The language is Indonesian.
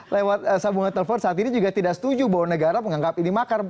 lewat sambungan telepon saat ini juga tidak setuju bahwa negara menganggap ini makar